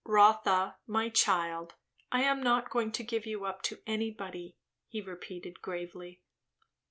"Rotha my child I am not going to give you up to anybody," he repeated gravely.